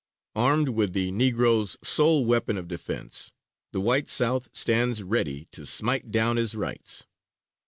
Armed with the Negro's sole weapon of defense, the white South stands ready to smite down his rights.